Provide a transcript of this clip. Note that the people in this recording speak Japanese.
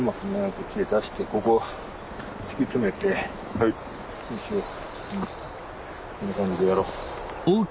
こっちで出してここ敷き詰めて石をそういう感じでやろう。